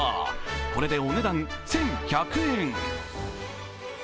これでお値段１１００円。